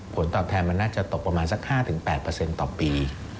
ผลตอบแทนมันน่าจะตกประมาณสัก๕๘ต่อปี